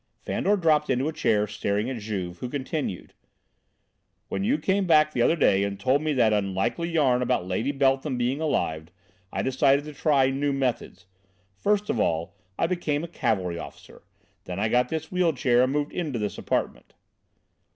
Fandor dropped into a chair staring at Juve, who continued: "When you came back the other day and told me that unlikely yarn about Lady Beltham being alive, I decided to try new methods. First of all, I became a cavalry officer, then I got this wheel chair and moved into this apartment."